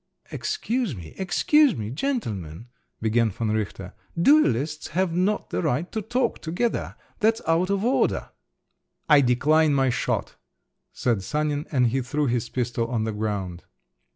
"Excuse me, excuse me, gentlemen …" began von Richter; "duellists have not the right to talk together. That's out of order." "I decline my shot," said Sanin, and he threw his pistol on the ground.